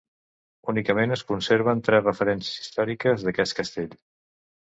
Únicament es conserven tres referències històriques d'aquest castell.